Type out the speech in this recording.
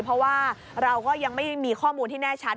เพราะว่าเราก็ยังไม่มีข้อมูลที่แน่ชัด